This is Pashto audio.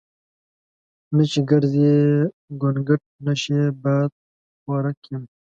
نه چې ګرزي ګونګټ نشي بادخورک یم.